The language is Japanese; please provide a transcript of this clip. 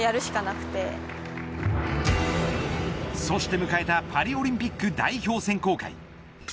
そして迎えたパリオリンピック代表選考会。